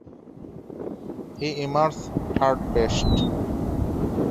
He emerged third best.